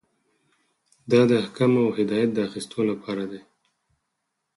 دا د احکامو او هدایت د اخیستلو لپاره دی.